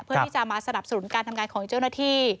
เพื่อที่จะมาสนับสนุนการทำงานของเจ้าหน้าที่